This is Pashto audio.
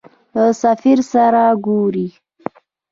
له سفیر سره ګورې.